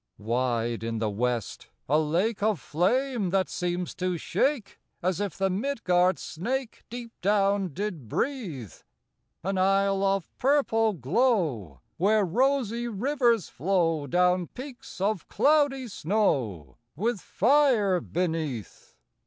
Wide in the west, a lake Of flame that seems to shake As if the Midgard snake Deep down did breathe: An isle of purple glow, Where rosy rivers flow Down peaks of cloudy snow With fire beneath.